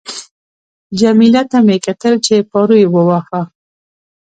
جميله ته مې کتل چې پارو یې واهه.